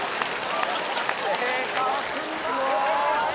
ええ顔するなぁ！